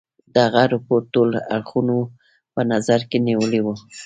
دغه رپوټ ټول اړخونه په نظر کې نیولي وه.